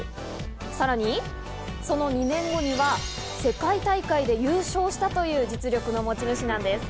さらに、その２年後には世界大会で優勝したという実力の持ち主なんです。